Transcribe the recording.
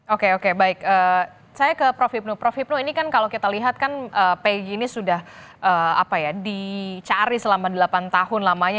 oke oke baik saya ke prof hipnu prof hipnu ini kan kalau kita lihat kan pg ini sudah dicari selama delapan tahun lamanya